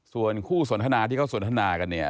ส่วนคู่สนนาที่เข้าสนนานนี้